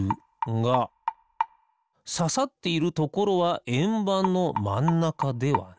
がささっているところはえんばんのまんなかではない。